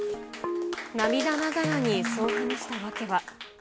涙ながらに、そう話した訳は。